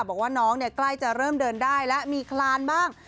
บอกว่าน้องใกล้จะเริ่มเดินได้แล้วมีคลานบ้าง